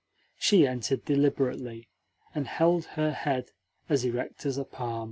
She entered deliberately, and held her head as erect as a palm.